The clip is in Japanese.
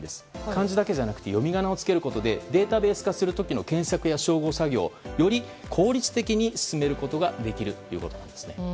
漢字だけでなくて読み仮名をつけることでデータベース化する時の検索や照合作業をより効率的に進めることができるということなんですね。